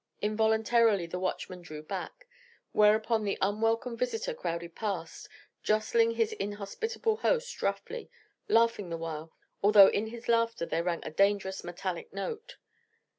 Involuntarily the watchman drew back, whereupon the unwelcome visitor crowded past, jostling his inhospitable host roughly, laughing the while, although in his laughter there rang a dangerous metallic note.